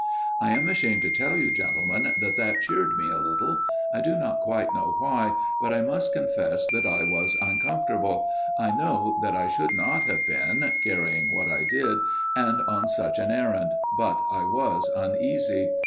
" I am ashamed to tell you, gentlemen, that that cheered me a little ; I do not quite know why, but I must confess that I was uncomfortable I know that I should not have been, carrying what I did, and on such an errand, but I was uneasy.